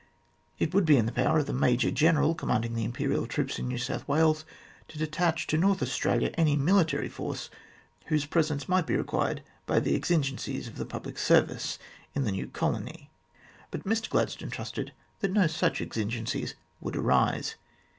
It would be in the power of the major general commanding the Imperial troops in New South Wales to detach to North Australia any military force whose presence might be required by the exigencies of the public service in the new colony, but Mr Gladstone trusted that no such exigencies would arise.